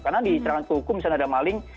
karena di cerahan hukum misalnya ada maling